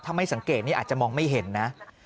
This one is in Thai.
ถ้าไม่สังเกตนี่อาจจะมองไม่เห็นนะ